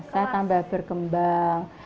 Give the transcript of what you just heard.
saya tambah bergembang